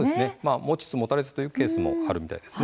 持ちつ持たれつというところもあるみたいですね。